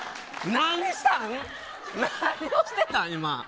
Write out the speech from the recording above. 何をしてたん、今。